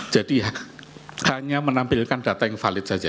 jadi hanya menampilkan data yang valid saja